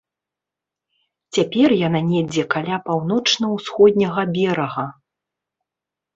Цяпер яна недзе каля паўночна-усходняга берага.